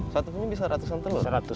satu sini bisa ratusan telur